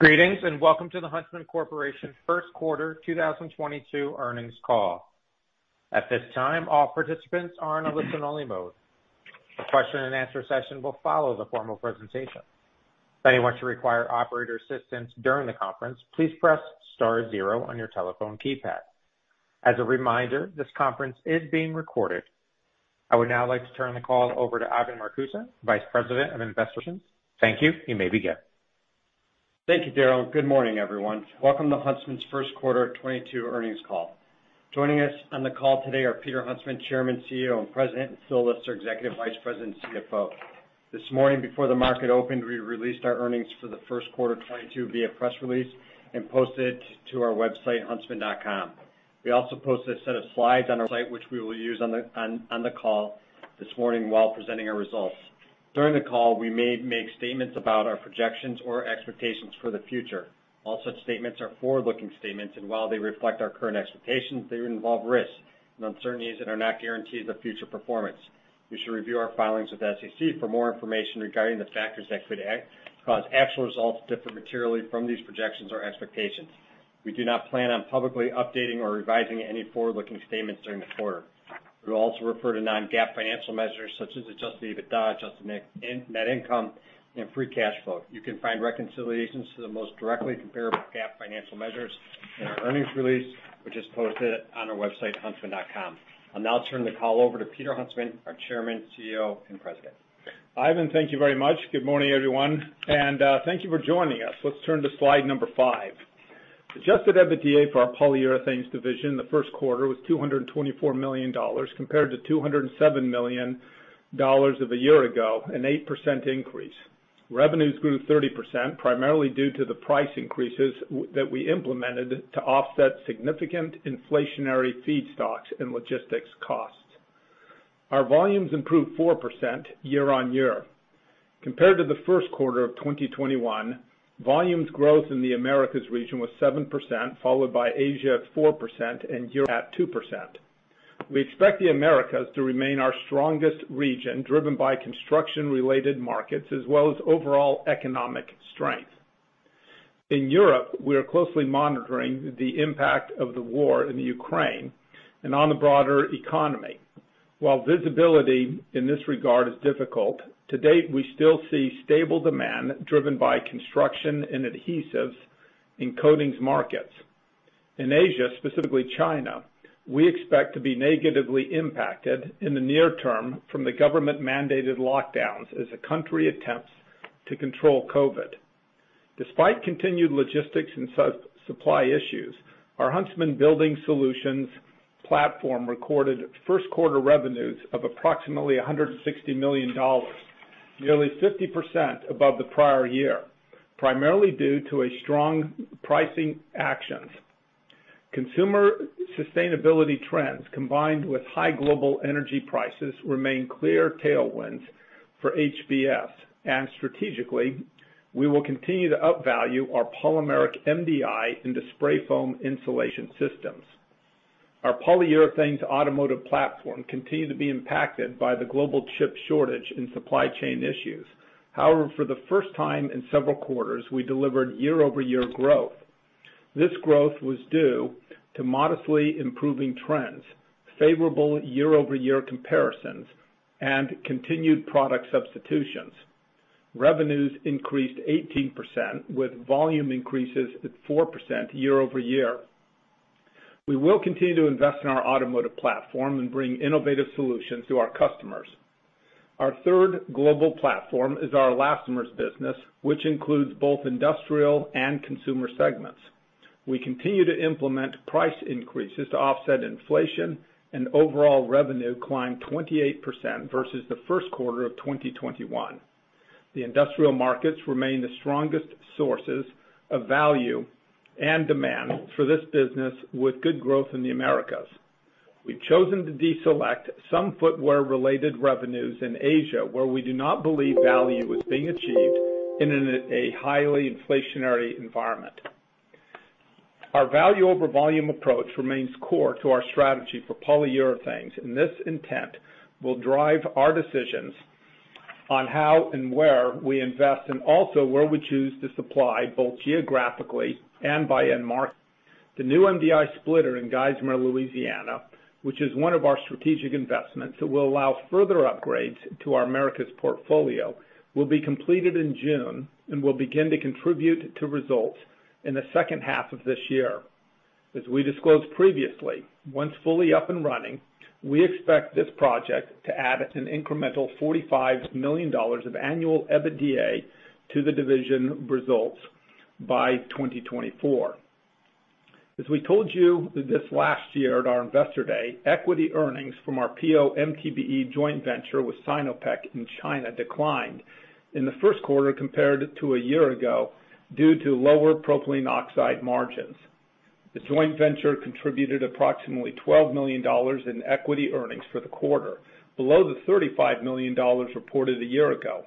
Greetings, and welcome to the Huntsman Corporation first quarter 2022 earnings call. At this time, all participants are in a listen only mode. A question and answer session will follow the formal presentation. If anyone should require operator assistance during the conference, please press star zero on your telephone keypad. As a reminder, this conference is being recorded. I would now like to turn the call over to Ivan Marcuse, Vice President of Investor Relations. Thank you. You may begin. Thank you, Daryl. Good morning, everyone. Welcome to Huntsman's first quarter 2022 earnings call. Joining us on the call today are Peter Huntsman, Chairman, CEO, and President, and Phil Lister, Executive Vice President and CFO. This morning before the market opened, we released our earnings for the first quarter 2022 via press release and posted it to our website, huntsman.com. We also posted a set of slides on our site which we will use on the call this morning while presenting our results. During the call, we may make statements about our projections or expectations for the future. All such statements are forward-looking statements, and while they reflect our current expectations, they involve risks and uncertainties and are not guarantees of future performance. You should review our filings with SEC for more information regarding the factors that could cause actual results to differ materially from these projections or expectations. We do not plan on publicly updating or revising any forward-looking statements during the quarter. We'll also refer to non-GAAP financial measures such as adjusted EBITDA, adjusted net income, and free cash flow. You can find reconciliations to the most directly comparable GAAP financial measures in our earnings release, which is posted on our website, huntsman.com. I'll now turn the call over to Peter Huntsman, our Chairman, CEO, and President. Ivan, thank you very much. Good morning, everyone, and thank you for joining us. Let's turn to slide five. Adjusted EBITDA for our Polyurethanes division in the first quarter was $224 million, compared to $207 million of a year ago, an 8% increase. Revenues grew 30%, primarily due to the price increases that we implemented to offset significant inflationary feedstocks and logistics costs. Our volumes improved 4% year-on-year. Compared to the first quarter of 2021, volumes growth in the Americas region was 7%, followed by Asia at 4% and Europe at 2%. We expect the Americas to remain our strongest region, driven by construction-related markets as well as overall economic strength. In Europe, we are closely monitoring the impact of the war in Ukraine and on the broader economy. While visibility in this regard is difficult, to date, we still see stable demand driven by construction and adhesives in coatings markets. In Asia, specifically China, we expect to be negatively impacted in the near term from the government mandated lockdowns as the country attempts to control COVID. Despite continued logistics and supply issues, our Huntsman Building Solutions platform recorded first quarter revenues of approximately $160 million, nearly 50% above the prior year, primarily due to a strong pricing actions. Consumer sustainability trends combined with high global energy prices remain clear tailwinds for HBS, and strategically, we will continue to upvalue our polymeric MDI into spray foam insulation systems. Our Polyurethanes automotive platform continued to be impacted by the global chip shortage and supply chain issues. However, for the first time in several quarters, we delivered year-over-year growth. This growth was due to modestly improving trends, favorable year-over-year comparisons, and continued product substitutions. Revenues increased 18%, with volume increases at 4% year-over-year. We will continue to invest in our automotive platform and bring innovative solutions to our customers. Our third global platform is our elastomers business, which includes both industrial and consumer segments. We continue to implement price increases to offset inflation and overall revenue climbed 28% versus the first quarter of 2021. The industrial markets remain the strongest sources of value and demand for this business with good growth in the Americas. We've chosen to deselect some footwear related revenues in Asia, where we do not believe value is being achieved in a highly inflationary environment. Our value over volume approach remains core to our strategy for Polyurethanes, and this intent will drive our decisions on how and where we invest and also where we choose to supply both geographically and by end market. The new MDI splitter in Geismar, Louisiana, which is one of our strategic investments that will allow further upgrades to our Americas portfolio, will be completed in June and will begin to contribute to results in the second half of this year. As we disclosed previously, once fully up and running, we expect this project to add an incremental $45 million of annual EBITDA to the division results by 2024. As we told you this last year at our Investor Day, equity earnings from our PO/MTBE joint venture with Sinopec in China declined in the first quarter compared to a year ago due to lower propylene oxide margins. The joint venture contributed approximately $12 million in equity earnings for the quarter, below the $35 million reported a year ago.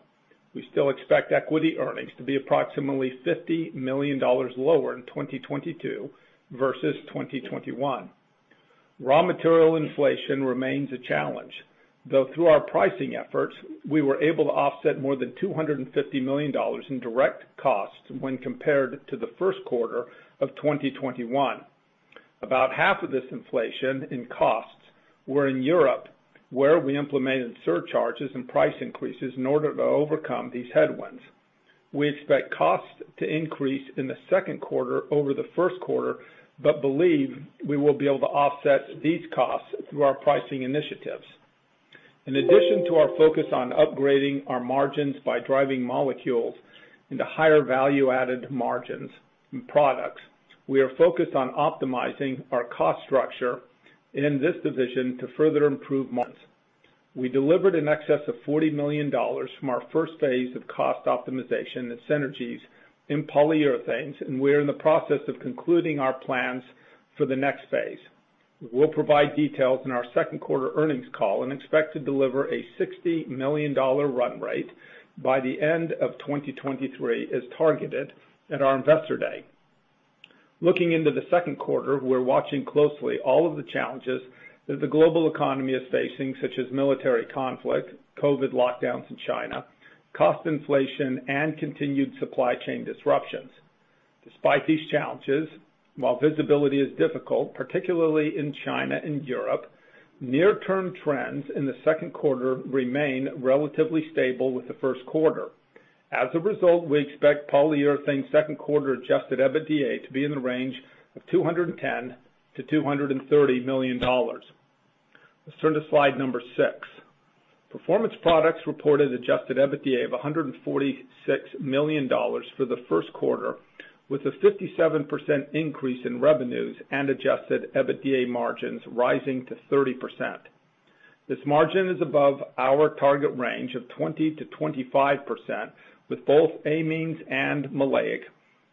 We still expect equity earnings to be approximately $50 million lower in 2022 versus 2021. Raw material inflation remains a challenge, though through our pricing efforts, we were able to offset more than $250 million in direct costs when compared to the first quarter of 2021. About half of this inflation in costs were in Europe, where we implemented surcharges and price increases in order to overcome these headwinds. We expect costs to increase in the second quarter over the first quarter, but believe we will be able to offset these costs through our pricing initiatives. In addition to our focus on upgrading our margins by driving molecules into higher value-added margins and products, we are focused on optimizing our cost structure in this division to further improve margins. We delivered in excess of $40 million from our first phase of cost optimization and synergies in Polyurethanes, and we're in the process of concluding our plans for the next phase. We'll provide details in our second quarter earnings call and expect to deliver a $60 million run rate by the end of 2023 as targeted at our Investor Day. Looking into the second quarter, we're watching closely all of the challenges that the global economy is facing, such as military conflict, COVID lockdowns in China, cost inflation, and continued supply chain disruptions. Despite these challenges, while visibility is difficult, particularly in China and Europe, near-term trends in the second quarter remain relatively stable with the first quarter. As a result, we expect polyurethane second quarter adjusted EBITDA to be in the range of $210 million-$230 million. Let's turn to slide six. Performance Products reported adjusted EBITDA of $146 million for the first quarter, with a 57% increase in revenues and adjusted EBITDA margins rising to 30%. This margin is above our target range of 20%-25%, with both amines and maleic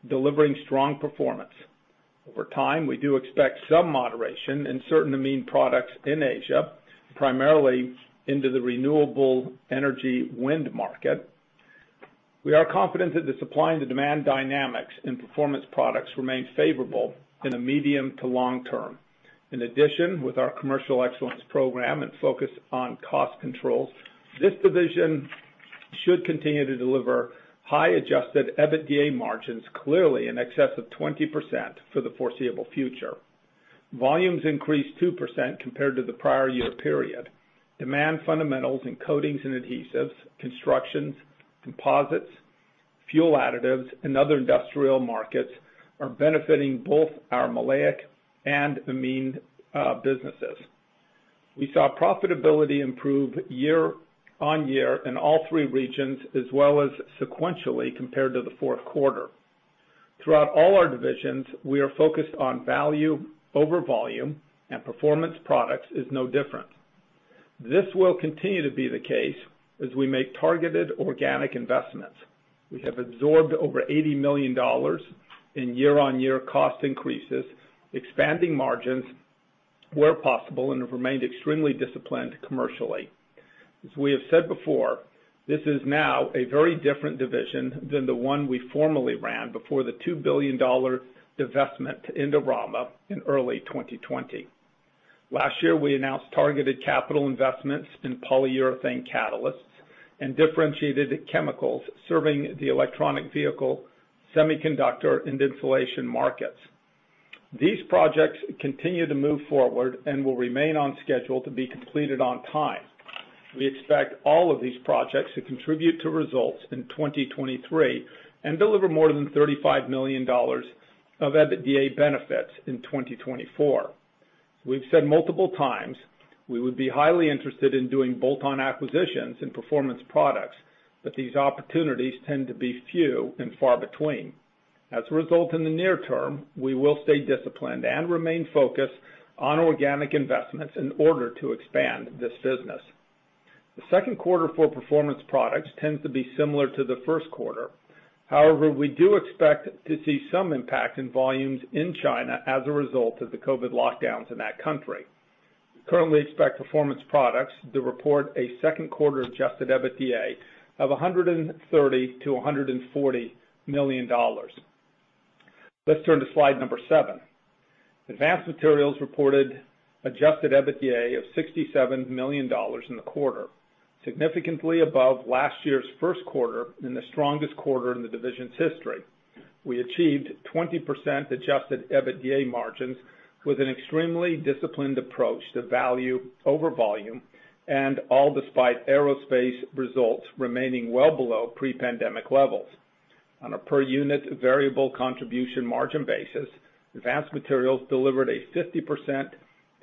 delivering strong performance. Over time, we do expect some moderation in certain amine products in Asia, primarily into the renewable energy wind market. We are confident that the supply and the demand dynamics in Performance Products remain favorable in the medium to long term. In addition, with our commercial excellence program and focus on cost controls, this division should continue to deliver high adjusted EBITDA margins clearly in excess of 20% for the foreseeable future. Volumes increased 2% compared to the prior year period. Demand fundamentals in coatings and adhesives, constructions, composites, fuel additives, and other industrial markets are benefiting both our maleic and amine businesses. We saw profitability improve year-on-year in all three regions as well as sequentially compared to the fourth quarter. Throughout all our divisions, we are focused on value over volume, and Performance Products is no different. This will continue to be the case as we make targeted organic investments. We have absorbed over $80 million in year-on-year cost increases, expanding margins where possible, and have remained extremely disciplined commercially. As we have said before, this is now a very different division than the one we formerly ran before the $2 billion divestment into Indorama in early 2020. Last year, we announced targeted capital investments in polyurethane catalysts and differentiated chemicals serving the electric vehicle, semiconductor, and insulation markets. These projects continue to move forward and will remain on schedule to be completed on time. We expect all of these projects to contribute to results in 2023 and deliver more than $35 million of EBITDA benefits in 2024. We've said multiple times we would be highly interested in doing bolt-on acquisitions in Performance Products, but these opportunities tend to be few and far between. As a result, in the near term, we will stay disciplined and remain focused on organic investments in order to expand this business. The second quarter for Performance Products tends to be similar to the first quarter. However, we do expect to see some impact in volumes in China as a result of the COVID lockdowns in that country. We currently expect Performance Products to report a second quarter adjusted EBITDA of $130 million-$140 million. Let's turn to slide seven. Advanced Materials reported adjusted EBITDA of $67 million in the quarter, significantly above last year's first quarter and the strongest quarter in the division's history. We achieved 20% adjusted EBITDA margins with an extremely disciplined approach to value over volume, and all despite aerospace results remaining well below pre-pandemic levels. On a per unit variable contribution margin basis, Advanced Materials delivered a 50%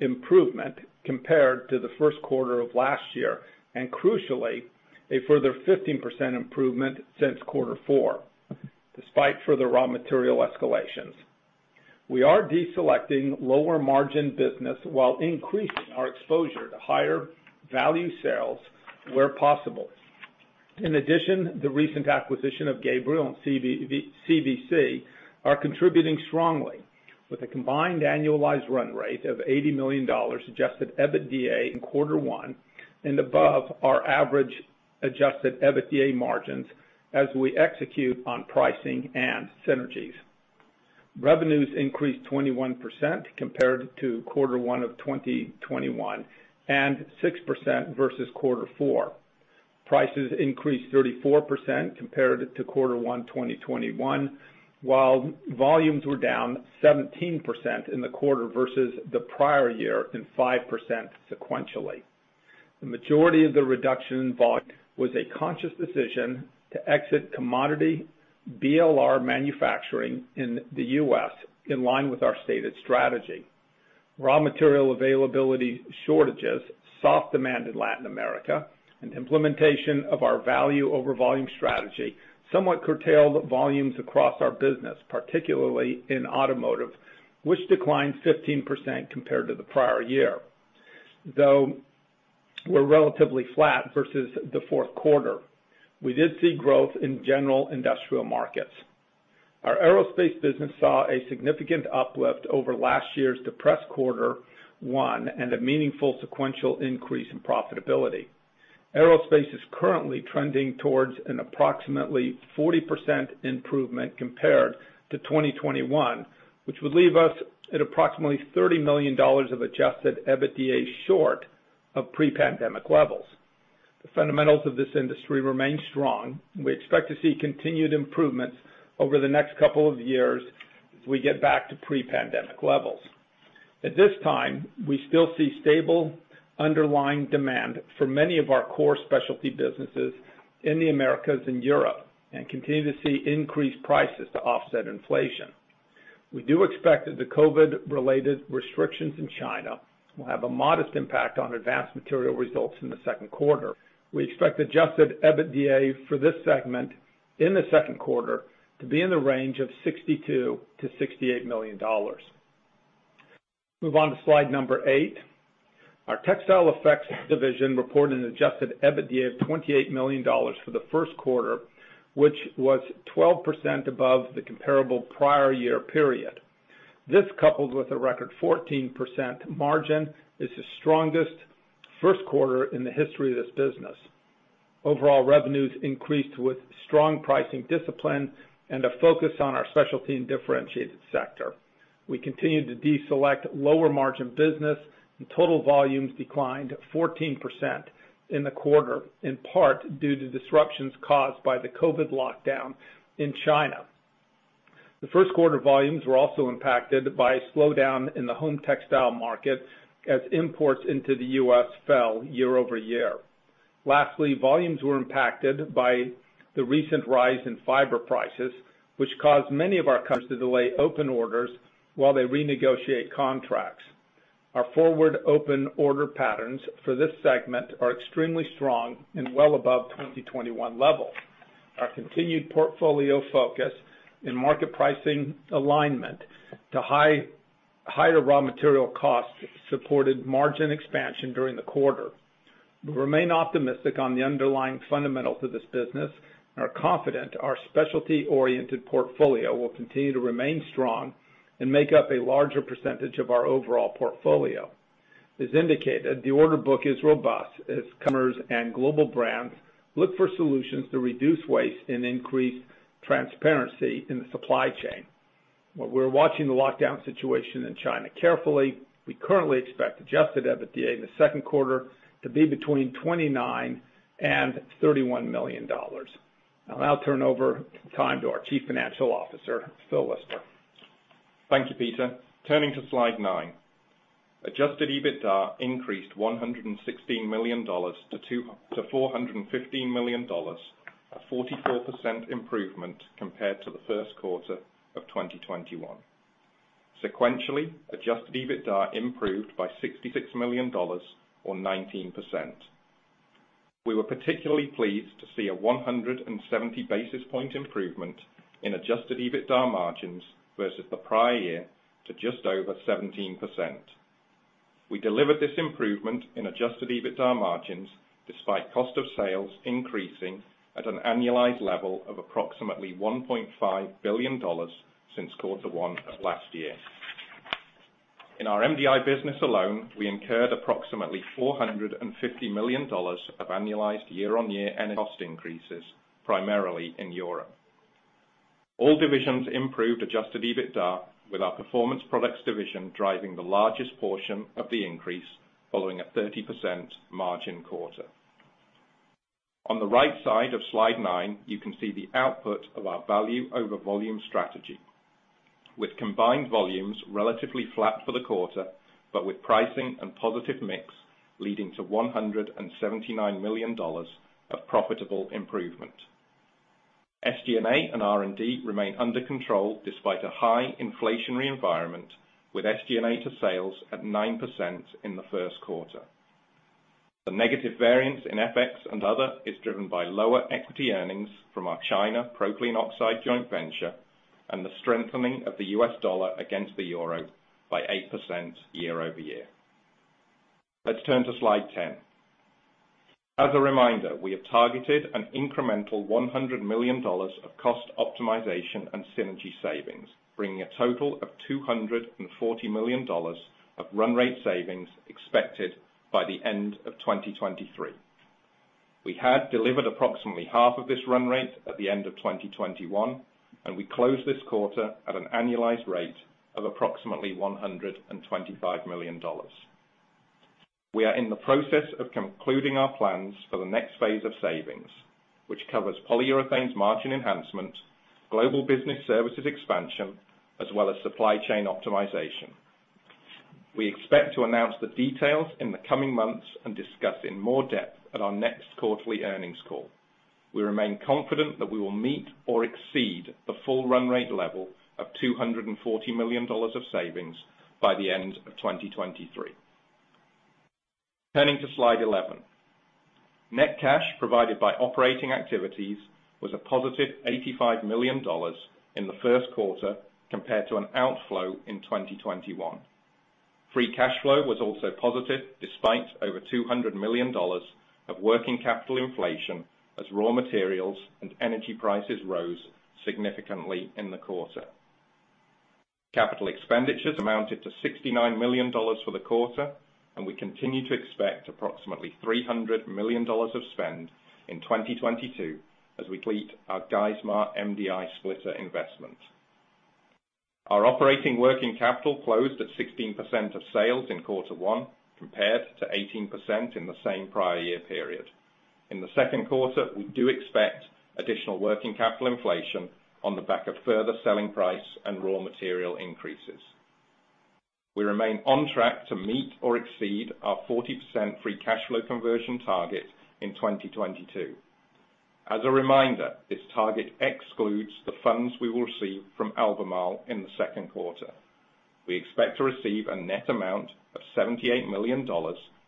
improvement compared to the first quarter of last year, and crucially, a further 15% improvement since quarter four, despite further raw material escalations. We are deselecting lower margin business while increasing our exposure to higher value sales where possible. In addition, the recent acquisition of Gabriel and CVC are contributing strongly with a combined annualized run rate of $80 million adjusted EBITDA in quarter one and above our average adjusted EBITDA margins as we execute on pricing and synergies. Revenues increased 21% compared to quarter one of 2021, and 6% versus quarter four. Prices increased 34% compared to quarter one 2021, while volumes were down 17% in the quarter versus the prior year, and 5% sequentially. The majority of the reduction in volume was a conscious decision to exit commodity BLR manufacturing in the U.S., in line with our stated strategy. Raw material availability shortages, soft demand in Latin America, and implementation of our value over volume strategy somewhat curtailed volumes across our business, particularly in automotive, which declined 15% compared to the prior year. Though we're relatively flat versus the fourth quarter, we did see growth in general industrial markets. Our aerospace business saw a significant uplift over last year's depressed quarter one and a meaningful sequential increase in profitability. Aerospace is currently trending towards an approximately 40% improvement compared to 2021, which would leave us at approximately $30 million of adjusted EBITDA short of pre-pandemic levels. The fundamentals of this industry remain strong, and we expect to see continued improvements over the next couple of years as we get back to pre-pandemic levels. At this time, we still see stable underlying demand for many of our core specialty businesses in the Americas and Europe, and continue to see increased prices to offset inflation. We do expect that the COVID-related restrictions in China will have a modest impact on Advanced Materials results in the second quarter. We expect adjusted EBITDA for this segment in the second quarter to be in the range of $62 million-$68 million. Move on to slide number eight. Our Textile Effects division reported an adjusted EBITDA of $28 million for the first quarter, which was 12% above the comparable prior year period. This, coupled with a record 14% margin, is the strongest first quarter in the history of this business. Overall revenues increased with strong pricing discipline and a focus on our specialty and differentiated sector. We continued to deselect lower margin business, and total volumes declined 14% in the quarter, in part due to disruptions caused by the COVID lockdown in China. The first quarter volumes were also impacted by a slowdown in the home textile market as imports into the U.S. fell year-over-year. Lastly, volumes were impacted by the recent rise in fiber prices, which caused many of our customers to delay open orders while they renegotiate contracts. Our forward open order patterns for this segment are extremely strong and well above 2021 levels. Our continued portfolio focus in market pricing alignment to higher raw material costs supported margin expansion during the quarter. We remain optimistic on the underlying fundamentals of this business and are confident our specialty-oriented portfolio will continue to remain strong and make up a larger percentage of our overall portfolio. As indicated, the order book is robust as customers and global brands look for solutions to reduce waste and increase transparency in the supply chain. While we're watching the lockdown situation in China carefully, we currently expect adjusted EBITDA in the second quarter to be between $29 million and $31 million. I'll now turn over time to our Chief Financial Officer, Phil Lister. Thank you, Peter. Turning to slide nine. Adjusted EBITDA increased $116 million-$415 million, a 44% improvement compared to the first quarter of 2021. Sequentially, adjusted EBITDA improved by $66 million or 19%. We were particularly pleased to see a 170 basis point improvement in adjusted EBITDA margins versus the prior year to just over 17%. We delivered this improvement in adjusted EBITDA margins despite cost of sales increasing at an annualized level of approximately $1.5 billion since quarter one of last year. In our MDI business alone, we incurred approximately $450 million of annualized year-on-year energy cost increases, primarily in Europe. All divisions improved adjusted EBITDA, with our Performance Products division driving the largest portion of the increase following a 30% margin quarter. On the right side of slide nine, you can see the output of our value over volume strategy, with combined volumes relatively flat for the quarter, but with pricing and positive mix leading to $179 million of profitable improvement. SG&A and R&D remain under control despite a high inflationary environment, with SG&A to sales at 9% in the first quarter. The negative variance in FX and other is driven by lower equity earnings from our China propylene oxide joint venture and the strengthening of the U.S. dollar against the euro by 8% year-over-year. Let's turn to slide ten. As a reminder, we have targeted an incremental $100 million of cost optimization and synergy savings, bringing a total of $240 million of run rate savings expected by the end of 2023. We had delivered approximately half of this run rate at the end of 2021, and we closed this quarter at an annualized rate of approximately $125 million. We are in the process of concluding our plans for the next phase of savings, which covers Polyurethanes margin enhancement, global business services expansion, as well as supply chain optimization. We expect to announce the details in the coming months and discuss in more depth at our next quarterly earnings call. We remain confident that we will meet or exceed the full run rate level of $240 million of savings by the end of 2023. Turning to slide 11. Net cash provided by operating activities was a positive $85 million in the first quarter compared to an outflow in 2021. Free cash flow was also positive despite over $200 million of working capital inflation as raw materials and energy prices rose significantly in the quarter. Capital expenditures amounted to $69 million for the quarter, and we continue to expect approximately $300 million of spend in 2022 as we complete our Geismar MDI splitter investment. Our operating working capital closed at 16% of sales in quarter one compared to 18% in the same prior year period. In the second quarter, we do expect additional working capital inflation on the back of further selling price and raw material increases. We remain on track to meet or exceed our 40% free cash flow conversion target in 2022. As a reminder, this target excludes the funds we will receive from Albemarle in the second quarter. We expect to receive a net amount of $78 million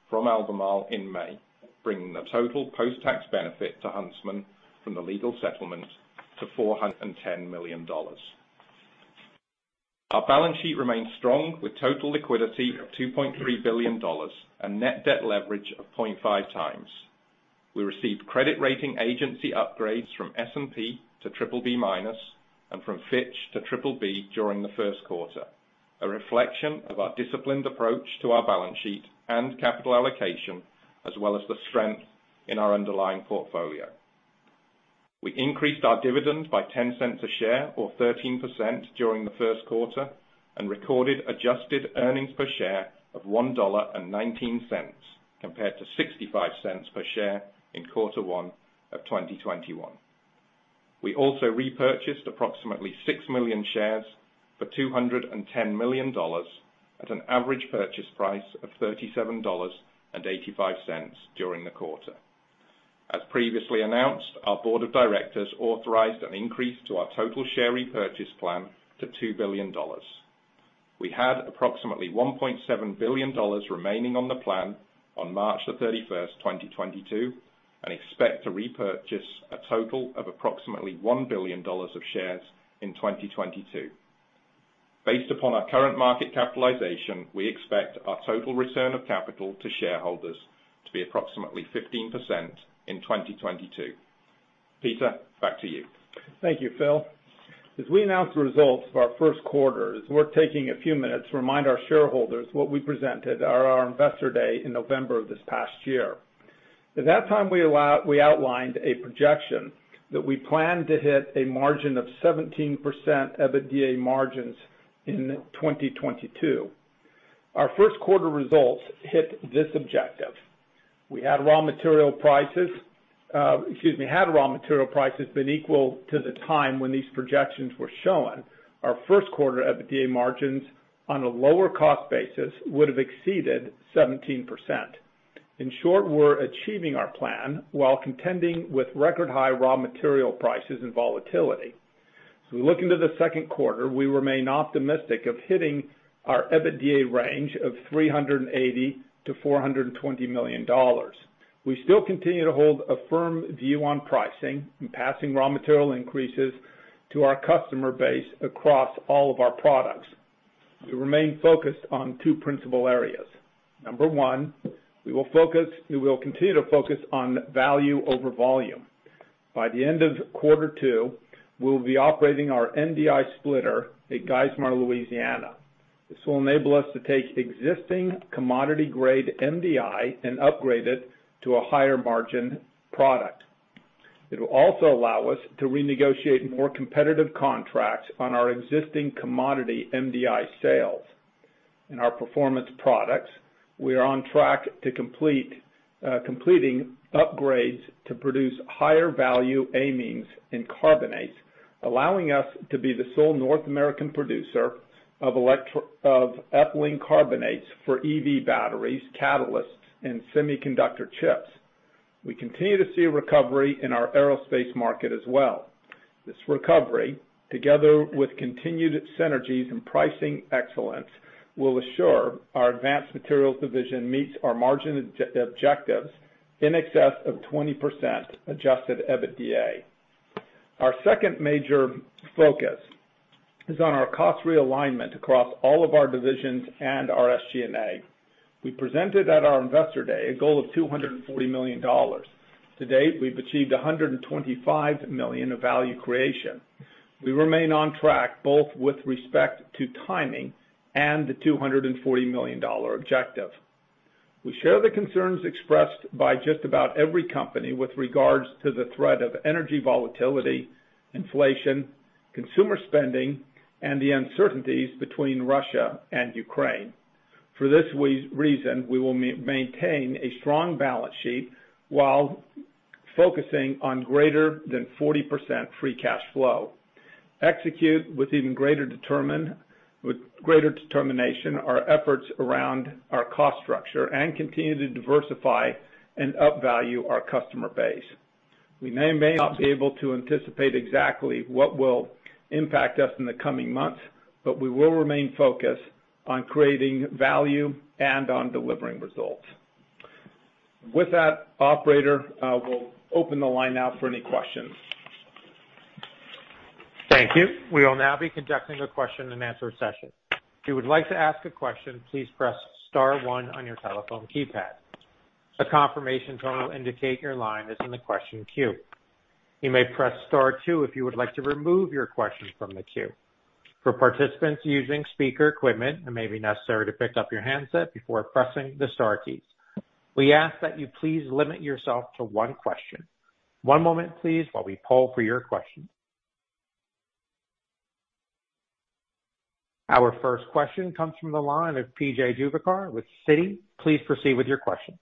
from Albemarle in May, bringing the total post-tax benefit to Huntsman from the legal settlement to $410 million. Our balance sheet remains strong with total liquidity of $2.3 billion and net debt leverage of 0.5x. We received credit rating agency upgrades from S&P to BBB- and from Fitch to BBB during the first quarter, a reflection of our disciplined approach to our balance sheet and capital allocation, as well as the strength in our underlying portfolio. We increased our dividend by $0.10 per share or 13% during the first quarter and recorded adjusted earnings per share of $1.19 compared to $0.65 per share in quarter one of 2021. We also repurchased approximately 6 million shares for $210 million at an average purchase price of $37.85 during the quarter. As previously announced, our board of directors authorized an increase to our total share repurchase plan to $2 billion. We had approximately $1.7 billion remaining on the plan on March 31st, 2022, and expect to repurchase a total of approximately $1 billion of shares in 2022. Based upon our current market capitalization, we expect our total return of capital to shareholders to be approximately 15% in 2022. Peter, back to you. Thank you, Phil. As we announce the results of our first quarter, it's worth taking a few minutes to remind our shareholders what we presented at our Investor Day in November of this past year. At that time, we outlined a projection that we plan to hit a margin of 17% EBITDA margins in 2022. Our first quarter results hit this objective. If raw material prices had been equal to the time when these projections were shown, our first quarter EBITDA margins on a lower cost basis would have exceeded 17%. In short, we're achieving our plan while contending with record high raw material prices and volatility. We look into the second quarter, we remain optimistic of hitting our EBITDA range of $380 million-$420 million. We still continue to hold a firm view on pricing and passing raw material increases to our customer base across all of our products. We remain focused on two principal areas. Number one, we will continue to focus on value over volume. By the end of quarter two, we'll be operating our MDI splitter at Geismar, Louisiana. This will enable us to take existing commodity grade MDI and upgrade it to a higher margin product. It will also allow us to renegotiate more competitive contracts on our existing commodity MDI sales. In our Performance Products, we are on track to complete upgrades to produce higher value amines and carbonates, allowing us to be the sole North American producer of ethylene carbonate for EV batteries, catalysts, and semiconductor chips. We continue to see a recovery in our aerospace market as well. This recovery, together with continued synergies and pricing excellence, will assure our Advanced Materials division meets our margin objectives in excess of 20% adjusted EBITDA. Our second major focus is on our cost realignment across all of our divisions and our SG&A. We presented at our Investor Day a goal of $240 million. To date, we've achieved $125 million of value creation. We remain on track, both with respect to timing and the $240 million objective. We share the concerns expressed by just about every company with regards to the threat of energy volatility, inflation, consumer spending, and the uncertainties between Russia and Ukraine. For this reason, we will maintain a strong balance sheet while focusing on greater than 40% free cash flow, execute with greater determination our efforts around our cost structure, and continue to diversify and up-value our customer base. We may or may not be able to anticipate exactly what will impact us in the coming months, but we will remain focused on creating value and on delivering results. With that, operator, we'll open the line now for any questions. Thank you. We will now be conducting a question-and-answer session. If you would like to ask a question, please press star one on your telephone keypad. A confirmation tone will indicate your line is in the question queue. You may press star two if you would like to remove your question from the queue. For participants using speaker equipment, it may be necessary to pick up your handset before pressing the star keys. We ask that you please limit yourself to one question. One moment, please, while we poll for your question. Our first question comes from the line of P.J. Juvekar with Citi. Please proceed with your question.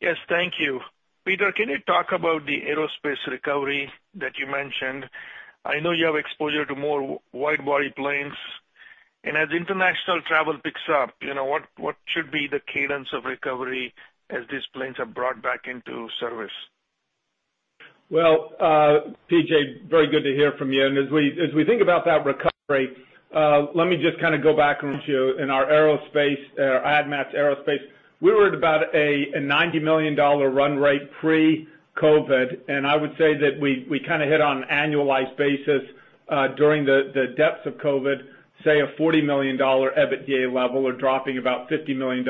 Yes, thank you. Peter, can you talk about the aerospace recovery that you mentioned? I know you have exposure to more wide body planes. As international travel picks up, you know, what should be the cadence of recovery as these planes are brought back into service? Well, P.J., very good to hear from you. As we think about that recovery, let me just kinda go back and show in our Advanced Materials aerospace, we were at about a $90 million run rate pre-COVID. I would say that we kinda hit on an annualized basis during the depths of COVID, say a $40 million EBITDA level or dropping about $50 million.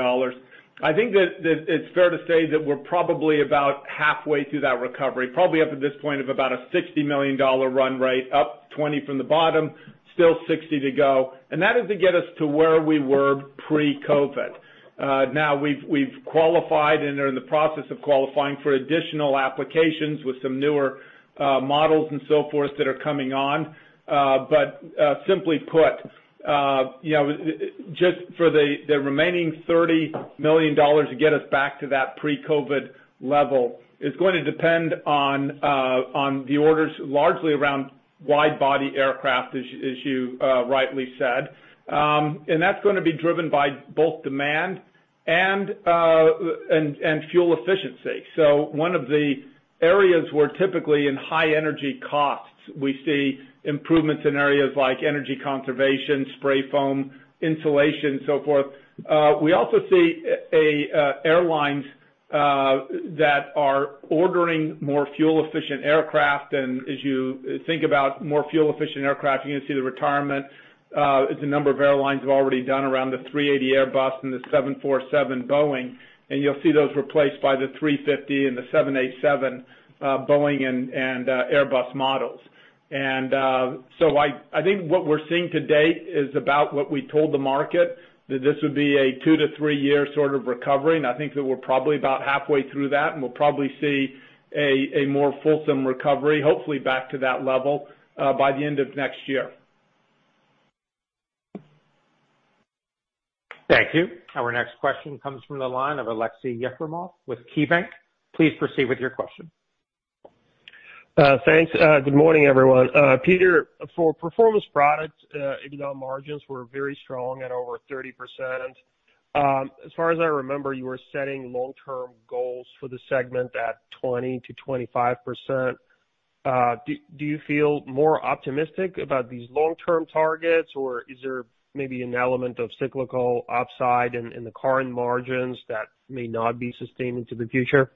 I think that it's fair to say that we're probably about halfway through that recovery, probably up at this point of about a $60 million run rate, up $20 from the bottom, still $60 to go. That is to get us to where we were pre-COVID. Now we've qualified and are in the process of qualifying for additional applications with some newer models and so forth that are coming on. Simply put, you know, just for the remaining $30 million to get us back to that pre-COVID level is going to depend on the orders largely around wide body aircraft, as you rightly said. That's gonna be driven by both demand and fuel efficiency. One of the areas where typically in high energy costs, we see improvements in areas like energy conservation, spray foam, insulation, so forth. We also see airlines that are ordering more fuel efficient aircraft. As you think about more fuel efficient aircraft, you're gonna see the retirement, as a number of airlines have already done around the A380 Airbus and the 747 Boeing, and you'll see those replaced by the A350 and the 787 Boeing and Airbus models. I think what we're seeing to date is about what we told the market, that this would be a two-three-year sort of recovery. I think that we're probably about halfway through that, and we'll probably see a more fulsome recovery, hopefully back to that level, by the end of next year. Thank you. Our next question comes from the line of Aleksey Yefremov with KeyBanc. Please proceed with your question. Thanks. Good morning, everyone. Peter, for Performance Products, EBITDA margins were very strong at over 30%. As far as I remember, you were setting long-term goals for the segment at 20%-25%. Do you feel more optimistic about these long-term targets, or is there maybe an element of cyclical upside in the current margins that may not be sustained into the future?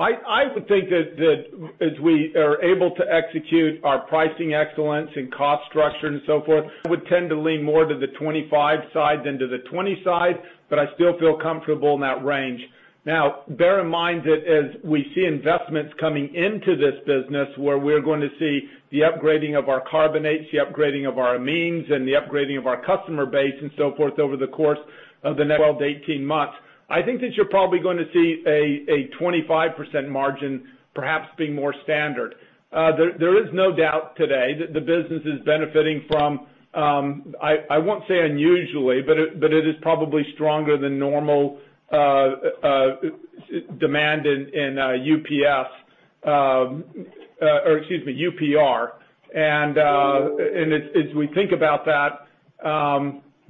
I would think that as we are able to execute our pricing excellence and cost structure and so forth, I would tend to lean more to the 25 side than to the 20 side, but I still feel comfortable in that range. Now bear in mind that as we see investments coming into this business, where we're going to see the upgrading of our carbonates, the upgrading of our amines, and the upgrading of our customer base and so forth over the course of the next 12 to 18 months, I think that you're probably gonna see a 25% margin perhaps being more standard. There is no doubt today that the business is benefiting from, I won't say unusually, but it is probably stronger than normal demand in UPR. As we think about that,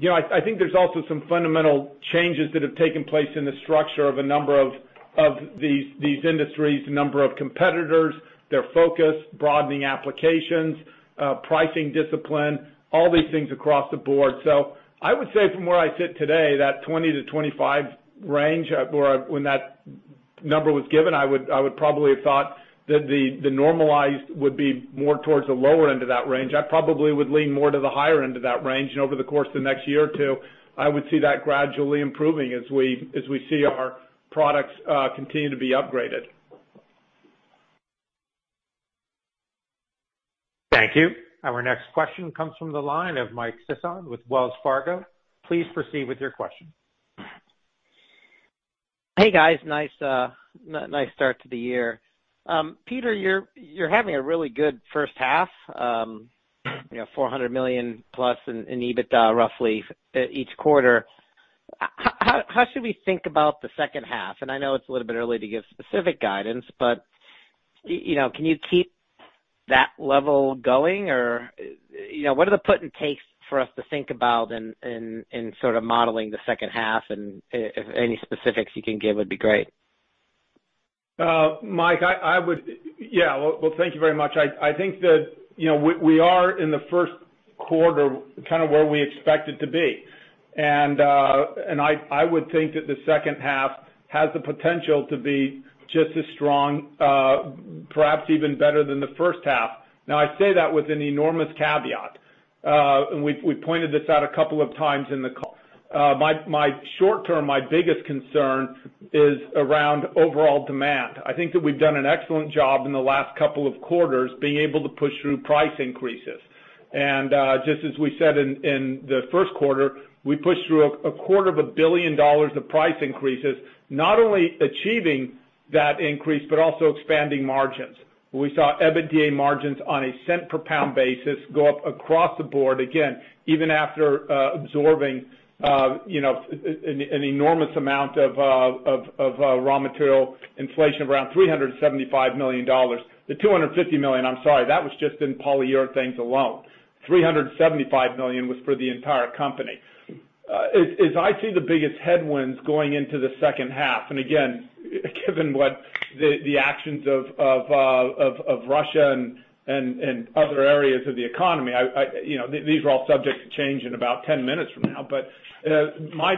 you know, I think there's also some fundamental changes that have taken place in the structure of a number of these industries, the number of competitors, their focus, broadening applications, pricing discipline, all these things across the board. I would say from where I sit today, that 20-25 range, where when that number was given, I would probably have thought that the normalized would be more towards the lower end of that range. I probably would lean more to the higher end of that range. Over the course of the next year or two, I would see that gradually improving as we see our products continue to be upgraded. Thank you. Our next question comes from the line of Mike Sisson with Wells Fargo. Please proceed with your question. Hey, guys. Nice start to the year. Peter, you're having a really good first half. You know, $400 million+ in EBITDA, roughly, each quarter. How should we think about the second half? I know it's a little bit early to give specific guidance, but you know, can you keep that level going or, you know, what are the put and takes for us to think about in sort of modeling the second half? If any specifics you can give would be great. Mike, I would. Yeah. Well, thank you very much. I think that, you know, we are in the first quarter kind of where we expected to be. I would think that the second half has the potential to be just as strong, perhaps even better than the first half. Now, I say that with an enormous caveat, and we pointed this out a couple of times. My short term, my biggest concern is around overall demand. I think that we've done an excellent job in the last couple of quarters being able to push through price increases. Just as we said in the first quarter, we pushed through $0.25 billion of price increases, not only achieving that increase, but also expanding margins. We saw EBITDA margins on a cent per pound basis go up across the board, again, even after absorbing an enormous amount of raw material inflation of around $375 million. The $250 million, I'm sorry, that was just in Polyurethanes alone. $375 million was for the entire company. As I see the biggest headwinds going into the second half, and again, given what the actions of Russia and other areas of the economy, you know, these are all subject to change in about 10 minutes from now.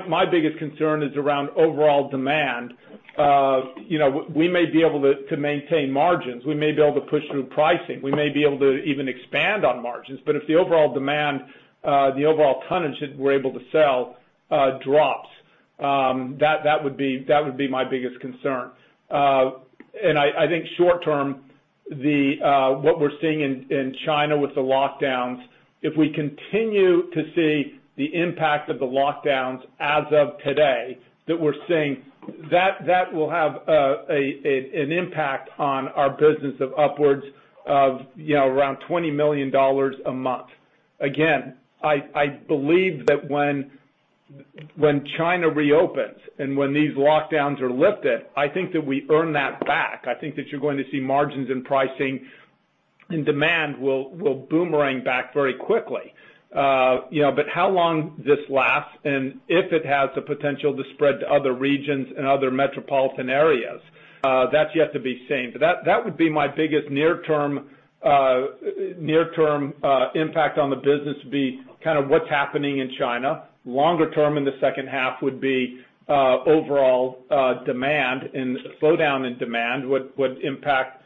My biggest concern is around overall demand. You know, we may be able to maintain margins, we may be able to push through pricing, we may be able to even expand on margins, but if the overall demand, the overall tonnage that we're able to sell, drops, that would be my biggest concern. I think short term, what we're seeing in China with the lockdowns, if we continue to see the impact of the lockdowns as of today that we're seeing, that will have an impact on our business of upwards of, you know, around $20 million a month. Again, I believe that when China reopens and when these lockdowns are lifted, I think that we earn that back. I think that you're going to see margins and pricing and demand will boomerang back very quickly. You know, how long this lasts, and if it has the potential to spread to other regions and other metropolitan areas, that's yet to be seen. That would be my biggest near term impact on the business, kind of what's happening in China. Longer term in the second half would be overall demand and slowdown in demand would impact,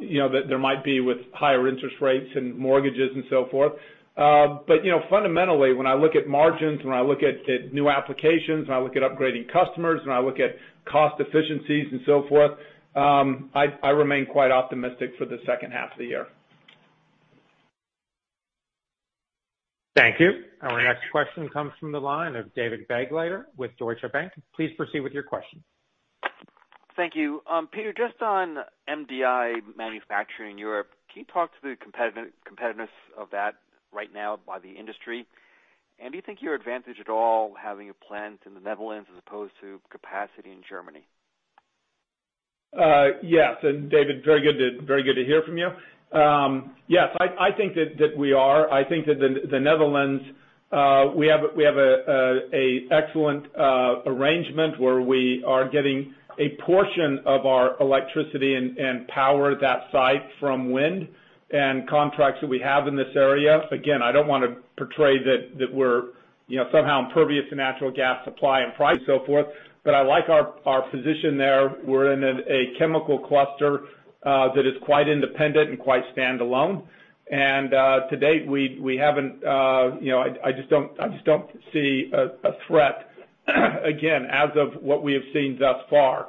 you know, that there might be with higher interest rates and mortgages and so forth. You know, fundamentally, when I look at margins, when I look at new applications, when I look at upgrading customers, when I look at cost efficiencies and so forth, I remain quite optimistic for the second half of the year. Thank you. Our next question comes from the line of David Begleiter with Deutsche Bank. Please proceed with your question. Thank you. Peter, just on MDI manufacturing in Europe, can you talk to the competitiveness of that right now in the industry? Do you think you're advantaged at all having a plant in the Netherlands as opposed to capacity in Germany? Yes. David, very good to hear from you. Yes, I think that we are. I think that the Netherlands, we have an excellent arrangement where we are getting a portion of our electricity and power at that site from wind and contracts that we have in this area. Again, I don't wanna portray that we're, you know, somehow impervious to natural gas supply and price, so forth, but I like our position there. We're in a chemical cluster that is quite independent and quite standalone. To date, we haven't, you know. I just don't see a threat, again, as of what we have seen thus far.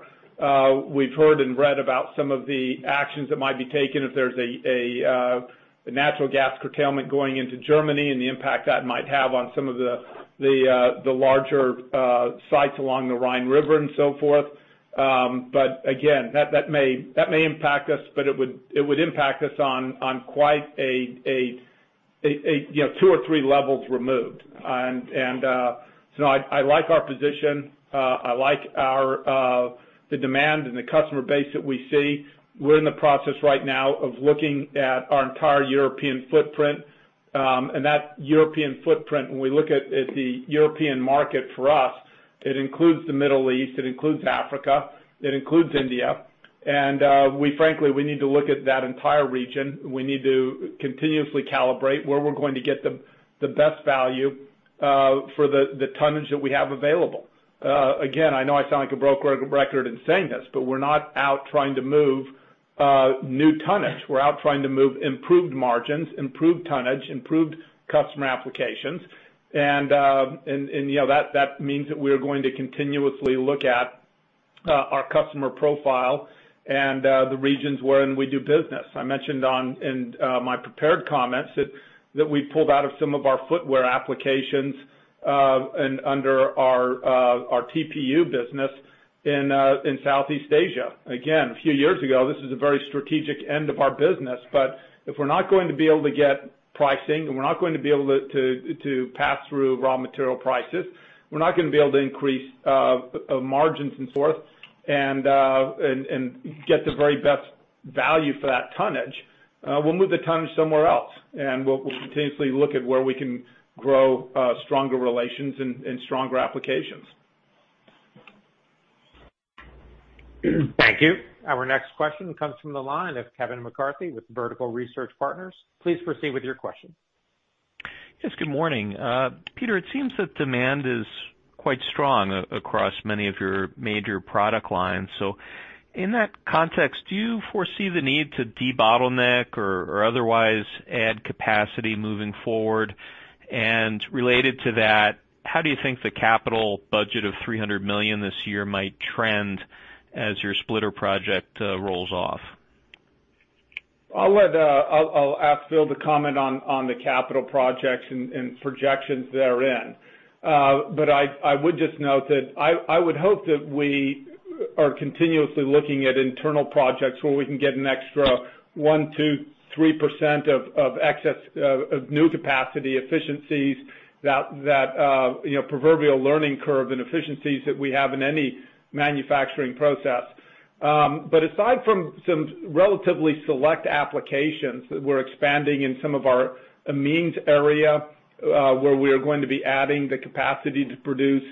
We've heard and read about some of the actions that might be taken if there's a natural gas curtailment going into Germany and the impact that might have on some of the larger sites along the Rhine River and so forth. Again, that may impact us, but it would impact us on quite a you know two or three levels removed. I like our position. I like the demand and the customer base that we see. We're in the process right now of looking at our entire European footprint. That European footprint, when we look at the European market, for us, it includes the Middle East, it includes Africa, it includes India. We frankly need to look at that entire region. We need to continuously calibrate where we're going to get the best value for the tonnage that we have available. Again, I know I sound like a broken record in saying this, but we're not out trying to move new tonnage. We're out trying to move improved margins, improved tonnage, improved customer applications. You know, that means that we are going to continuously look at our customer profile and the regions wherein we do business. I mentioned earlier in my prepared comments that we pulled out of some of our footwear applications in our TPU business in Southeast Asia. Again, a few years ago, this is a very strategic end of our business. If we're not going to be able to get pricing, and we're not going to be able to pass through raw material prices, we're not gonna be able to increase margins and so forth and get the very best value for that tonnage, we'll move the tonnage somewhere else. We'll continuously look at where we can grow stronger relations and stronger applications. Thank you. Our next question comes from the line of Kevin McCarthy with Vertical Research Partners. Please proceed with your question. Yes, good morning. Peter, it seems that demand is quite strong across many of your major product lines. In that context, do you foresee the need to debottleneck or otherwise add capacity moving forward? Related to that, how do you think the capital budget of $300 million this year might trend as your splitter project rolls off? I'll ask Phil to comment on the capital projects and projections therein. I would just note that I would hope that we are continuously looking at internal projects where we can get an extra 1%, 2%, 3% of excess new capacity efficiencies that you know proverbial learning curve and efficiencies that we have in any manufacturing process. Aside from some relatively select applications that we're expanding in some of our amines area, where we are going to be adding the capacity to produce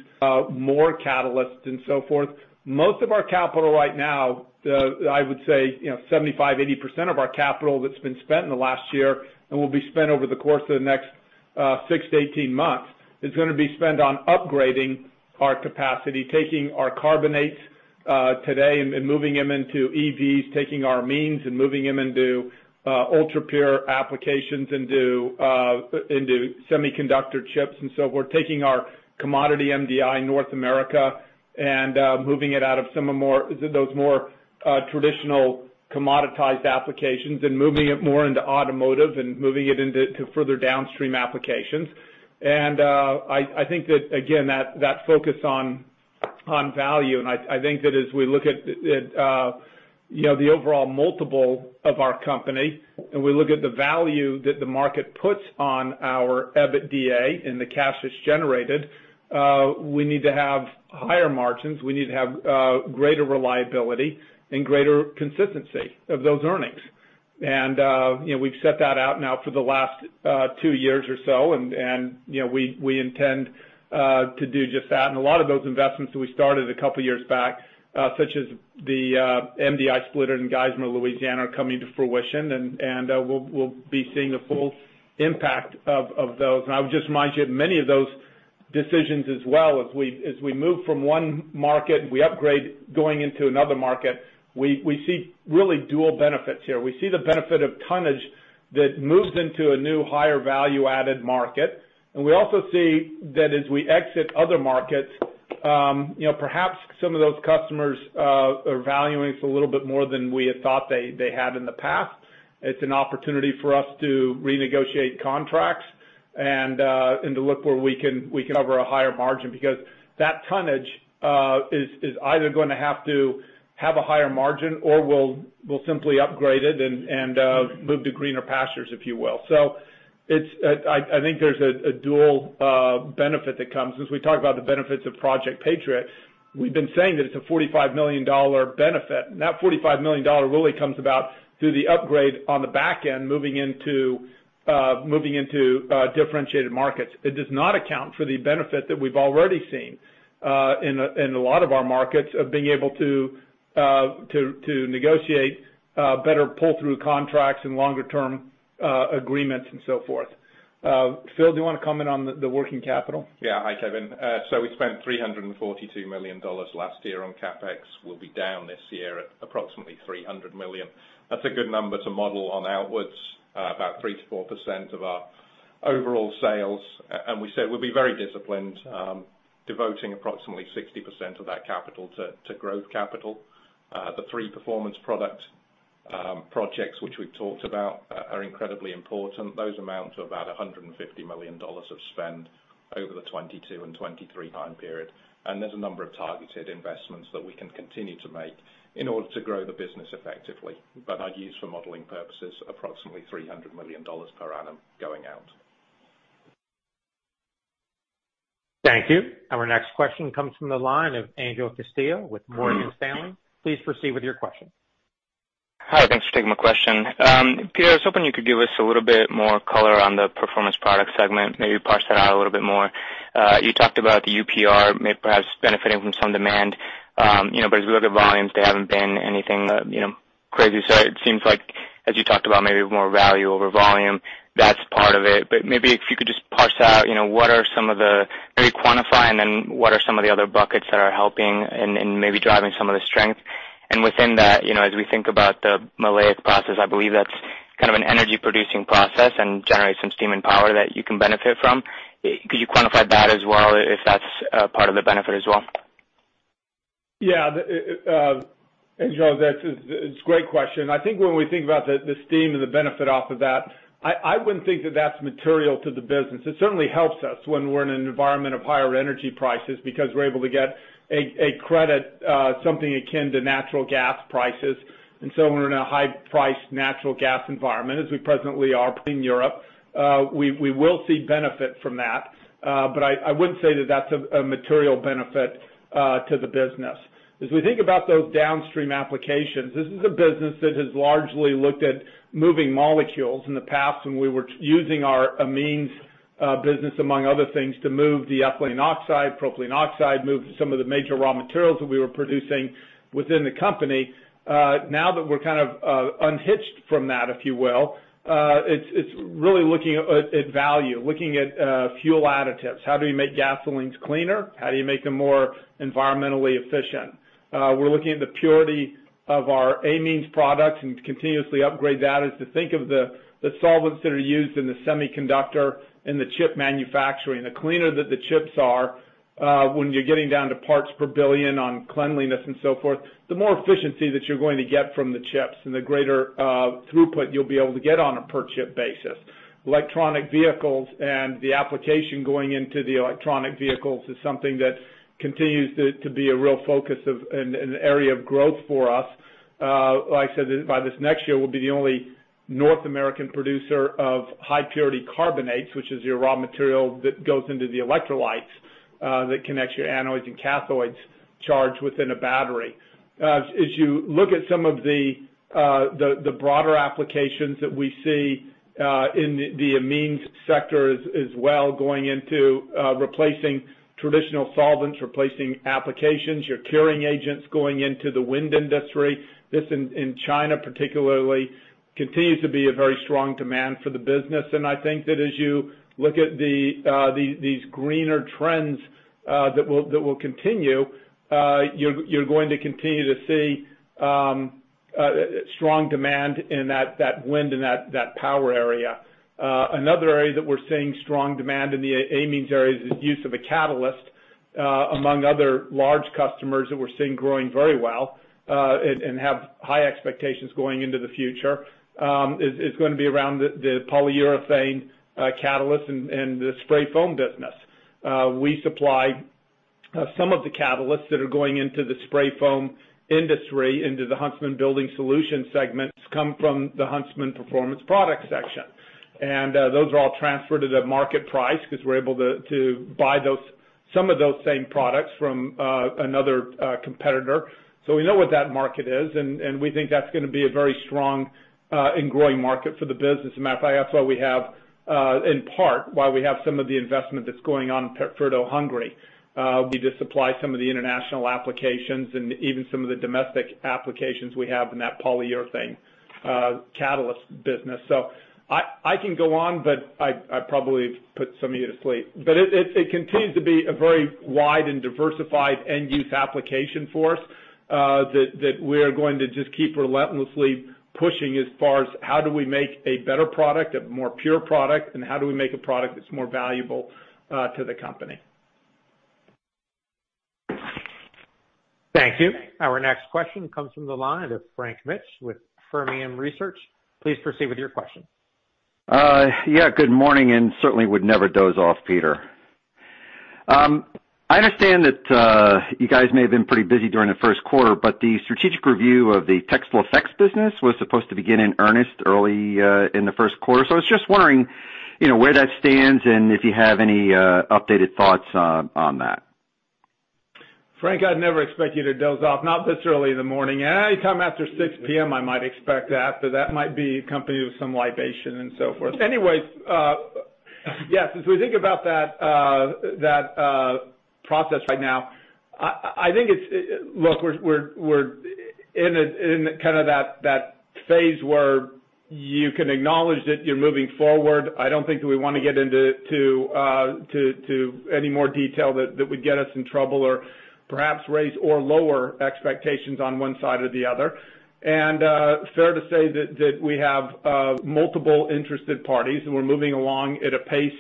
more catalysts and so forth, most of our capital right now, I would say, you know, 75%-80% of our capital that's been spent in the last year and will be spent over the course of the next six to 18 months, is gonna be spent on upgrading our capacity, taking our carbonates today and moving them into EVs, taking our amines and moving them into ultra pure applications, into semiconductor chips and so forth. Taking our commodity MDI North America and moving it out of some of those more traditional commoditized applications and moving it more into automotive and moving it into further downstream applications. I think that again that focus on value. I think that as we look at you know the overall multiple of our company and we look at the value that the market puts on our EBITDA and the cash it's generated we need to have higher margins. We need to have greater reliability and greater consistency of those earnings. You know we've set that out now for the last two years or so and you know we intend to do just that. A lot of those investments that we started a couple of years back such as the MDI splitter in Geismar Louisiana are coming to fruition. We'll be seeing the full impact of those. I would just remind you that many of those decisions as well, as we move from one market, we upgrade going into another market, we see really dual benefits here. We see the benefit of tonnage that moves into a new higher value-added market. We also see that as we exit other markets, perhaps some of those customers are valuing us a little bit more than we had thought they had in the past. It's an opportunity for us to renegotiate contracts and to look where we can cover a higher margin because that tonnage is either gonna have to have a higher margin or we'll simply upgrade it and move to greener pastures, if you will. I think there's a dual benefit that comes. As we talk about the benefits of Project Patriot, we've been saying that it's a $45 million benefit. That $45 million really comes about through the upgrade on the back end, moving into differentiated markets. It does not account for the benefit that we've already seen in a lot of our markets of being able to to negotiate better pull-through contracts and longer term agreements and so forth. Phil, do you wanna comment on the working capital? Yeah. Hi, Kevin. So we spent $342 million last year on CapEx. We'll be down this year at approximately $300 million. That's a good number to model on outwards, about 3%-4% of our overall sales. And we said we'll be very disciplined, devoting approximately 60% of that capital to growth capital. The three Performance Products projects, which we've talked about, are incredibly important. Those amount to about $150 million of spend over the 2022 and 2023 time period. There's a number of targeted investments that we can continue to make in order to grow the business effectively. But I'd use for modeling purposes approximately $300 million per annum going out. Thank you. Our next question comes from the line of Angel Castillo with Morgan Stanley. Please proceed with your question. Hi, thanks for taking my question. Peter, I was hoping you could give us a little bit more color on the Performance Products segment. Maybe parse that out a little bit more. You talked about the UPR may perhaps benefiting from some demand. You know, but as we look at volumes, they haven't been anything, you know, crazy. It seems like, as you talked about, maybe more value over volume, that's part of it. Maybe if you could just parse out, you know, maybe quantify, and then what are some of the other buckets that are helping and maybe driving some of the strength? Within that, you know, as we think about the maleic process, I believe that's kind of an energy producing process and generates some steam and power that you can benefit from. Could you quantify that as well, if that's part of the benefit as well? Yeah. Angel, that's a great question. I think when we think about the steam and the benefit off of that, I wouldn't think that that's material to the business. It certainly helps us when we're in an environment of higher energy prices because we're able to get a credit, something akin to natural gas prices. When we're in a high price natural gas environment, as we presently are in Europe, we will see benefit from that. But I wouldn't say that that's a material benefit to the business. As we think about those downstream applications, this is a business that has largely looked at moving molecules in the past when we were using our amines business among other things to move the ethylene oxide, propylene oxide, move some of the major raw materials that we were producing within the company. Now that we're kind of unhitched from that, if you will, it's really looking at value, looking at fuel additives. How do you make gasolines cleaner? How do you make them more environmentally efficient? We're looking at the purity of our amines products and continuously upgrade that to think of the solvents that are used in the semiconductor and the chip manufacturing. The cleaner that the chips are, when you're getting down to parts per billion on cleanliness and so forth, the more efficiency that you're going to get from the chips and the greater throughput you'll be able to get on a per chip basis. Electric vehicles and the application going into the electric vehicles is something that continues to be a real focus of and an area of growth for us. Like I said, by this next year, we'll be the only North American producer of high purity carbonates, which is your raw material that goes into the electrolytes that connects your anodes and cathodes charged within a battery. As you look at some of the broader applications that we see in the amines sector as well, going into replacing traditional solvents, replacing applications, your curing agents going into the wind industry. This, in China particularly, continues to be a very strong demand for the business. I think that as you look at these greener trends that will continue, you're going to continue to see strong demand in that wind and that power area. Another area that we're seeing strong demand in the amines area is use of a catalyst among other large customers that we're seeing growing very well and have high expectations going into the future is gonna be around the polyurethane catalyst and the spray foam business. We supply some of the catalysts that are going into the spray foam industry, into the Huntsman Building Solutions segment come from the Huntsman Performance Products section. Those are all transferred to the market price because we're able to buy some of those same products from another competitor. We know what that market is, and we think that's gonna be a very strong and growing market for the business. Matter of fact, that's why we have, in part, some of the investment that's going on in Pétfürdő, Hungary, would be to supply some of the international applications and even some of the domestic applications we have in that polyurethane catalyst business. I can go on, but I probably have put some of you to sleep. It continues to be a very wide and diversified end use application for us, that we are going to just keep relentlessly pushing as far as how do we make a better product, a more pure product, and how do we make a product that's more valuable to the company. Thank you. Our next question comes from the line of Frank Mitsch with Fermium Research. Please proceed with your question. Yeah, good morning, and certainly would never doze off, Peter. I understand that you guys may have been pretty busy during the first quarter, but the strategic review of the Textile Effects business was supposed to begin in earnest early in the first quarter. I was just wondering, you know, where that stands and if you have any updated thoughts on that. Frank, I'd never expect you to doze off, not this early in the morning. Any time after 6P.M., I might expect that, but that might be accompanied with some libation and so forth. Anyways, yes, as we think about that process right now, I think it's. Look, we're in kind of that phase where you can acknowledge that you're moving forward. I don't think that we wanna get into any more detail that would get us in trouble or perhaps raise or lower expectations on one side or the other. Fair to say that we have multiple interested parties, and we're moving along at a pace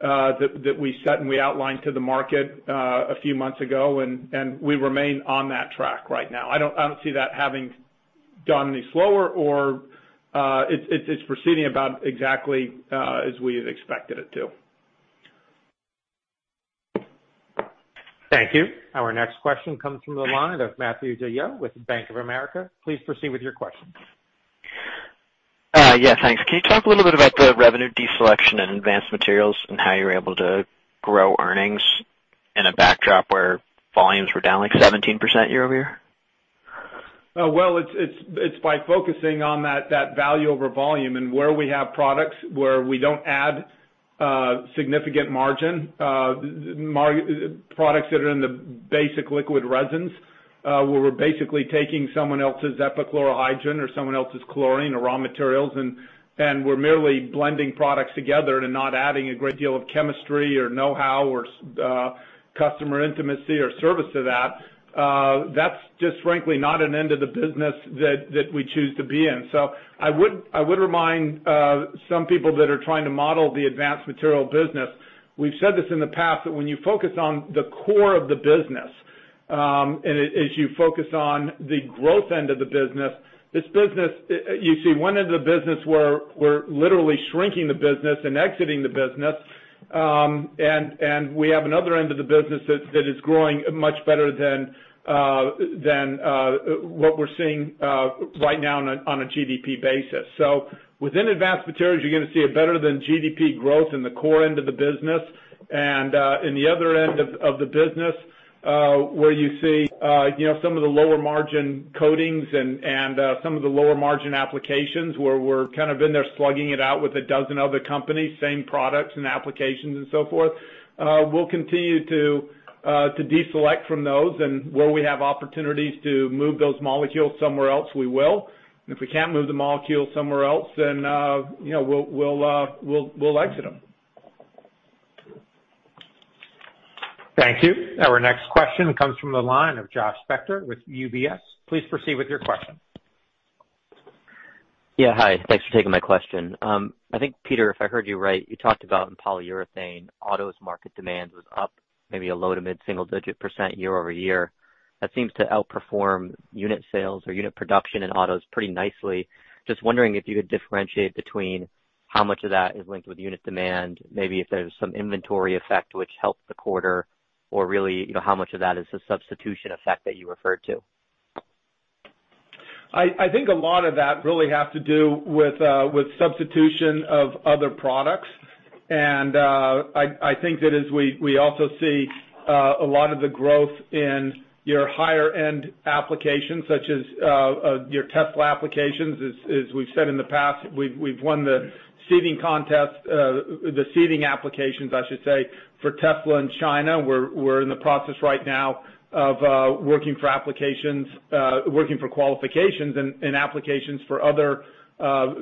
that we set and we outlined to the market a few months ago, and we remain on that track right now. I don't see that having gone any slower or it's proceeding about exactly as we had expected it to. Thank you. Our next question comes from the line of Matthew DeYoe with Bank of America. Please proceed with your questions. Yeah, thanks. Can you talk a little bit about the revenue deselection and Advanced Materials and how you're able to grow earnings in a backdrop where volumes were down like 17% year-over-year? Well, it's by focusing on that value over volume and where we have products where we don't add significant margin, products that are in the basic liquid resins, where we're basically taking someone else's epichlorohydrin or someone else's chlorine or raw materials, and we're merely blending products together to not adding a great deal of chemistry or know-how or customer intimacy or service to that. That's just frankly not an end of the business that we choose to be in. I would remind some people that are trying to model the Advanced Materials business. We've said this in the past, that when you focus on the core of the business, and as you focus on the growth end of the business, this business, you see one end of the business where we're literally shrinking the business and exiting the business. And we have another end of the business that is growing much better than what we're seeing right now on a GDP basis. Within Advanced Materials, you're gonna see a better-than-GDP growth in the core end of the business. In the other end of the business, where you see, you know, some of the lower margin coatings and some of the lower margin applications where we're kind of in there slugging it out with a dozen other companies, same products and applications and so forth, we'll continue to deselect from those. Where we have opportunities to move those molecules somewhere else, we will. If we can't move the molecules somewhere else, then, you know, we'll exit them. Thank you. Our next question comes from the line of Josh Spector with UBS. Please proceed with your question. Yeah. Hi. Thanks for taking my question. I think, Peter, if I heard you right, you talked about in Polyurethanes, autos market demand was up maybe a low- to mid-single-digit percent year-over-year. That seems to outperform unit sales or unit production in autos pretty nicely. Just wondering if you could differentiate between how much of that is linked with unit demand, maybe if there's some inventory effect which helped the quarter or really, you know, how much of that is the substitution effect that you referred to. I think a lot of that really has to do with substitution of other products. I think that as we also see a lot of the growth in your higher-end applications, such as your Tesla applications, as we've said in the past, we've won the seating contest, the seating applications, I should say, for Tesla in China. We're in the process right now of working for applications, working for qualifications and applications for other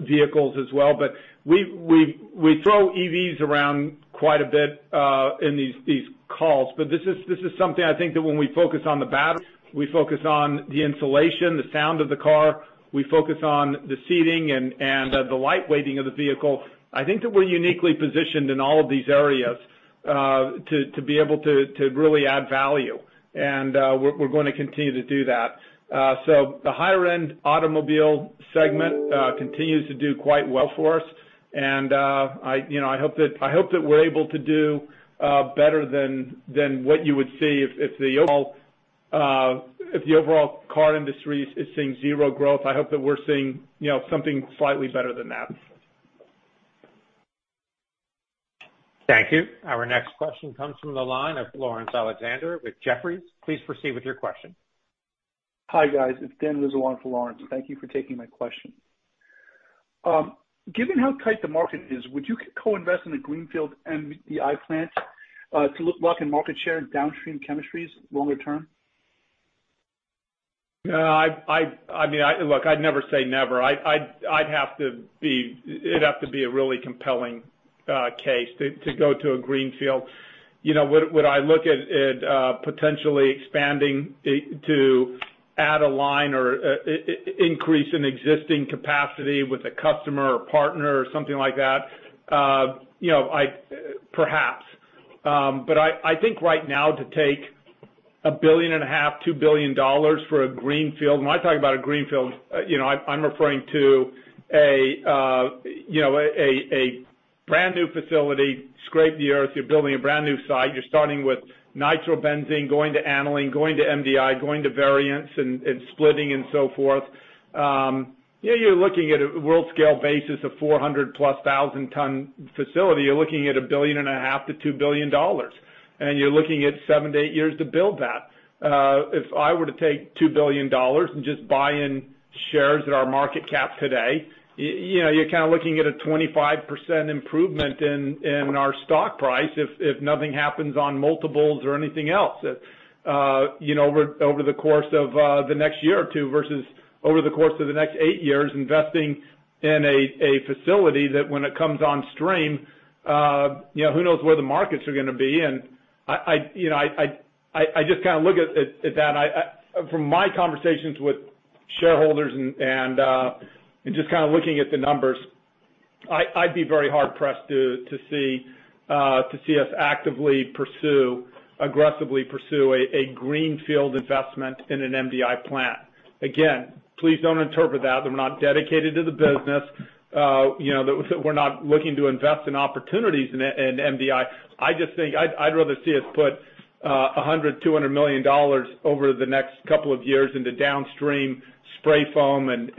vehicles as well. We throw EVs around quite a bit in these calls. This is something I think that when we focus on the batteries, we focus on the insulation, the sound of the car, we focus on the seating and the light weighting of the vehicle. I think that we're uniquely positioned in all of these areas to be able to really add value. We're gonna continue to do that. The higher-end automobile segment continues to do quite well for us. I hope that we're able to do better than what you would see if the overall car industry is seeing zero growth. I hope that we're seeing, you know, something slightly better than that. Thank you. Our next question comes from the line of Laurence Alexander with Jefferies. Please proceed with your question. Hi, guys. It's Dan [Rizzo] for Laurence Alexander. Thank you for taking my question. Given how tight the market is, would you co-invest in a greenfield MDI plant to lock in market share in downstream chemistries longer term? I mean, look, I'd never say never. It'd have to be a really compelling case to go to a greenfield. You know, would I look at potentially expanding it to add a line or increase an existing capacity with a customer or partner or something like that? You know, perhaps. I think right now to take $1.5 billion-$2 billion for a greenfield, when I talk about a greenfield, you know, I'm referring to a brand-new facility, from scratch, you're building a brand-new site. You're starting with nitrobenzene, going to aniline, going to MDI, going to variants and splitting and so forth. You're looking at a world-scale basis of 400,000+ ton facility. You're looking at $1.5 billion-$2 billion, and you're looking at seven to eight years to build that. If I were to take $2 billion and just buy in shares at our market cap today, you know, you're kind of looking at a 25% improvement in our stock price if nothing happens on multiples or anything else. You know, over the course of the next year or two versus over the course of the next eight years investing in a facility that when it comes on stream, you know, who knows where the markets are gonna be. I just kind of look at that. From my conversations with shareholders and just kind of looking at the numbers, I'd be very hard pressed to see us actively pursue, aggressively pursue a greenfield investment in an MDI plant. Again, please don't interpret that we're not dedicated to the business. You know, that we're not looking to invest in opportunities in MDI. I just think I'd rather see us put $100 million-$200 million over the next couple of years into downstream spray foam and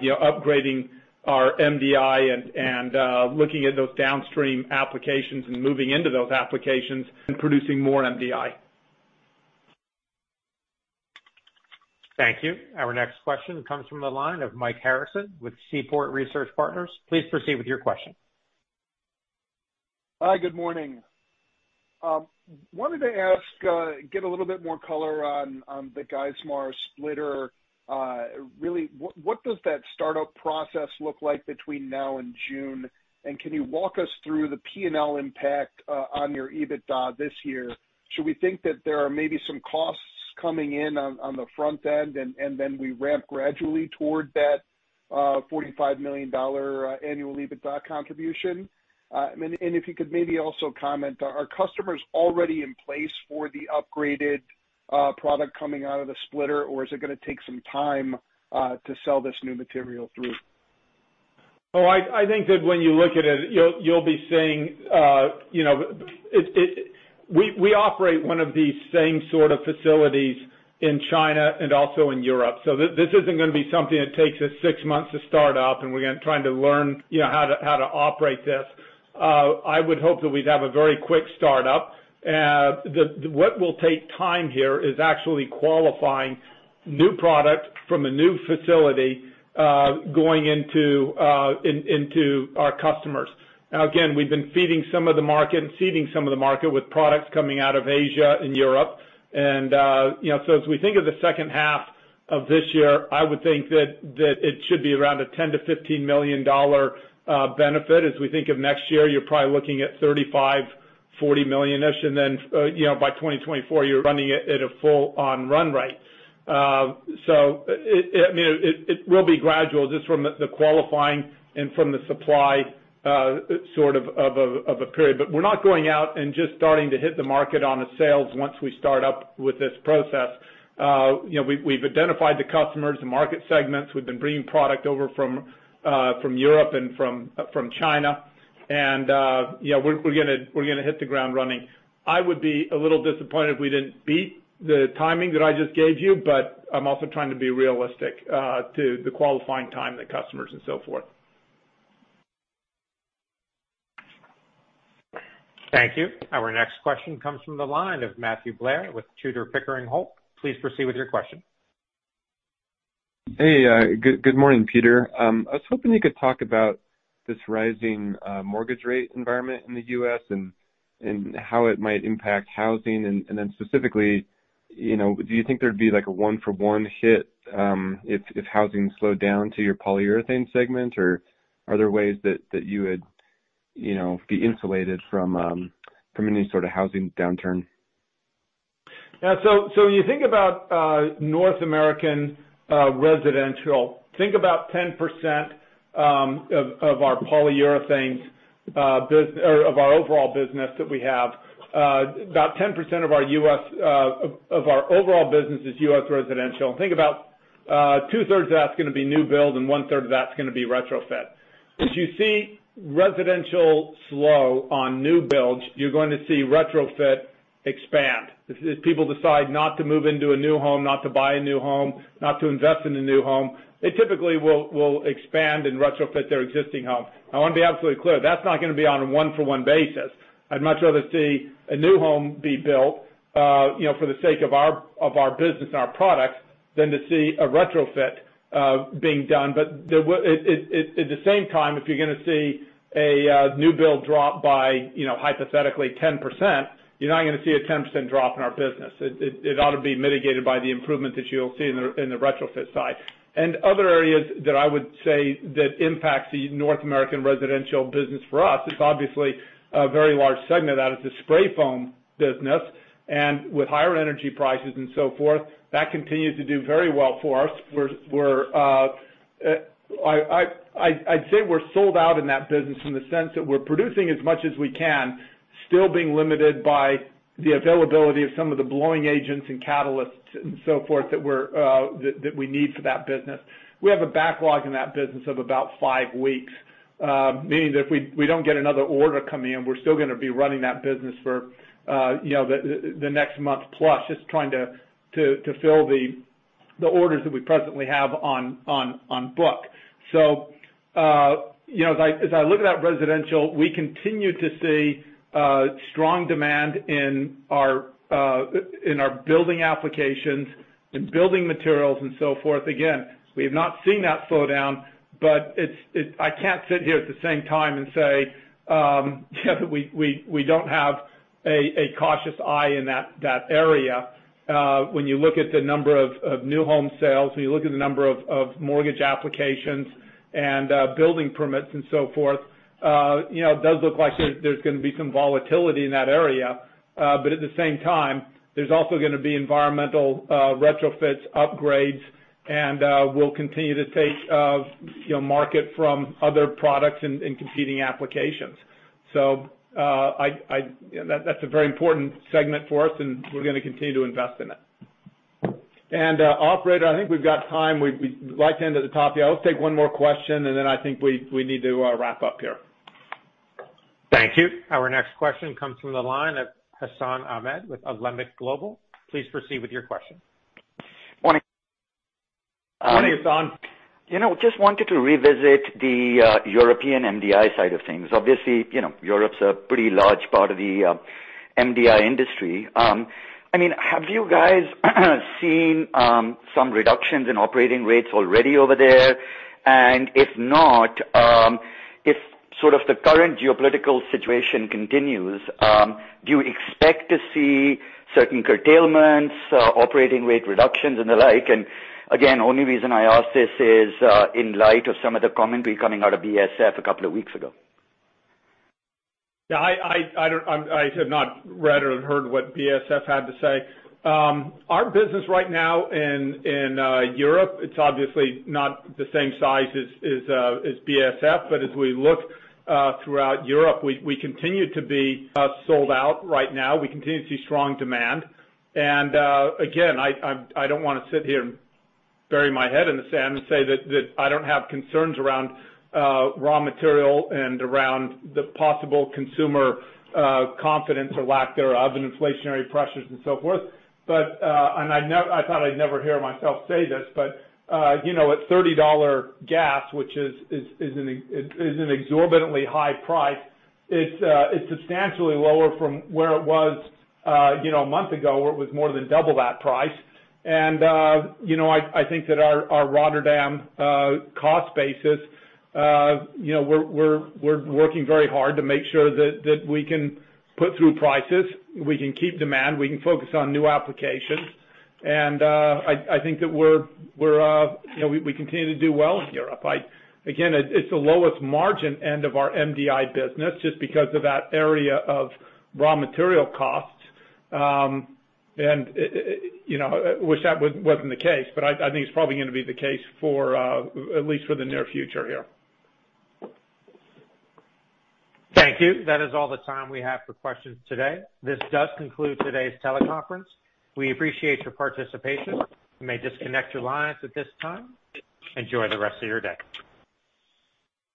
you know, upgrading our MDI and looking at those downstream applications and moving into those applications and producing more MDI. Thank you. Our next question comes from the line of Mike Harrison with Seaport Research Partners. Please proceed with your question. Hi, good morning. Wanted to ask, get a little bit more color on the Geismar splitter. Really, what does that startup process look like between now and June? Can you walk us through the P&L impact on your EBITDA this year? Should we think that there are maybe some costs coming in on the front end, and then we ramp gradually toward that $45 million annual EBITDA contribution? I mean, if you could maybe also comment, are customers already in place for the upgraded product coming out of the splitter, or is it gonna take some time to sell this new material through? I think that when you look at it, you'll be seeing, you know, it. We operate one of these same sort of facilities in China and also in Europe. This isn't gonna be something that takes us six months to start up, and we're gonna trying to learn, you know, how to operate this. I would hope that we'd have a very quick start up. What will take time here is actually qualifying new product from a new facility, going into our customers. Now, again, we've been feeding some of the market and seeding some of the market with products coming out of Asia and Europe. You know, so as we think of the second half of this year, I would think that it should be around a $10 million-$15 million benefit. As we think of next year, you're probably looking at $35 million-$40 million-ish. You know, by 2024, you're running it at a full on run rate. I mean, it will be gradual just from the qualifying and from the supply sort of a period. But we're not going out and just starting to hit the market on the sales once we start up with this process. You know, we've identified the customers, the market segments. We've been bringing product over from Europe and from China. You know, we're gonna hit the ground running. I would be a little disappointed if we didn't beat the timing that I just gave you, but I'm also trying to be realistic to the qualifying time, the customers and so forth. Thank you. Our next question comes from the line of Matthew Blair with Tudor, Pickering, Holt. Please proceed with your question. Hey, good morning, Peter. I was hoping you could talk about this rising mortgage rate environment in the U.S. and how it might impact housing. Then specifically, you know, do you think there'd be like a one for one hit, if housing slowed down to your polyurethane segment? Or are there ways that you would, you know, be insulated from from any sort of housing downturn? Yeah. You think about North American residential. Think about 10% of our Polyurethanes business or of our overall business that we have about 10% of our U.S. overall business is U.S. residential. Think about 2/3 of that's gonna be new build, and 1/3 of that's gonna be retrofit. If you see residential slow on new builds, you're going to see retrofit expand. If people decide not to move into a new home, not to buy a new home, not to invest in a new home, they typically will expand and retrofit their existing home. I wanna be absolutely clear, that's not gonna be on a one-for-one basis. I'd much rather see a new home be built for the sake of our business and our products than to see a retrofit being done. At the same time, if you're gonna see a new build drop by hypothetically 10%, you're not gonna see a 10% drop in our business. It ought to be mitigated by the improvement that you'll see in the retrofit side. Other areas that I would say that impacts the North American residential business for us, it's obviously a very large segment out of the spray foam business. With higher energy prices and so forth, that continues to do very well for us. I'd say we're sold out in that business in the sense that we're producing as much as we can, still being limited by the availability of some of the blowing agents and catalysts and so forth that we need for that business. We have a backlog in that business of about five weeks, meaning that if we don't get another order coming in, we're still gonna be running that business for you know the next month plus, just trying to fill the orders that we presently have on book. You know, as I look at that residential, we continue to see strong demand in our building applications and building materials and so forth. Again, we have not seen that slow down, but I can't sit here at the same time and say that we don't have a cautious eye in that area. When you look at the number of new home sales, when you look at the number of mortgage applications and building permits and so forth, you know, it does look like there's gonna be some volatility in that area. At the same time, there's also gonna be environmental retrofits, upgrades, and we'll continue to take, you know, market from other products in competing applications. That's a very important segment for us, and we're gonna continue to invest in it. Operator, I think we've got time. We'd like to end at the top of the hour. Let's take one more question, and then I think we need to wrap up here. Thank you. Our next question comes from the line of Hassan Ahmed with Alembic Global. Please proceed with your question. Morning Morning, Hassan. You know, just wanted to revisit the European MDI side of things. Obviously, you know, Europe's a pretty large part of the MDI industry. I mean, have you guys seen some reductions in operating rates already over there? If not, if sort of the current geopolitical situation continues, do you expect to see certain curtailments, operating rate reductions and the like? Again, only reason I ask this is, in light of some of the commentary coming out of BASF a couple of weeks ago. Yeah, I have not read or heard what BASF had to say. Our business right now in Europe, it's obviously not the same size as BASF. As we look throughout Europe, we continue to be sold out right now. We continue to see strong demand. Again, I don't wanna sit here and bury my head in the sand and say that I don't have concerns around raw material and around the possible consumer confidence or lack thereof and inflationary pressures and so forth. I thought I'd never hear myself say this, but you know, at $30 gas, which is an exorbitantly high price, it's substantially lower from where it was you know, a month ago, where it was more than double that price. You know, I think that our Rotterdam cost basis you know, we're working very hard to make sure that we can put through prices, we can keep demand, we can focus on new applications. I think that we're you know, we continue to do well in Europe. Again, it's the lowest margin end of our MDI business just because of that area of raw material costs. You know, I wish that wasn't the case, but I think it's probably gonna be the case for at least for the near future here. Thank you. That is all the time we have for questions today. This does conclude today's teleconference. We appreciate your participation. You may disconnect your lines at this time. Enjoy the rest of your day.